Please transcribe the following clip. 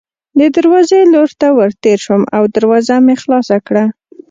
د دروازې لور ته ورتېر شوم او دروازه مې خلاصه کړه.